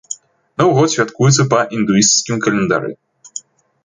Новы год святкуецца па індуісцкім календары.